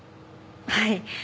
はい。